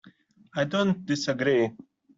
I don't disagree.